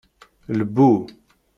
Lbu.